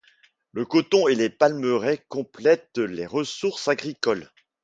Le coton et les palmeraies complètent les ressources agricoles.